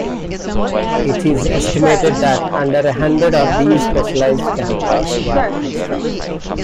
It is estimated that under a hundred of these specialised cameras were constructed.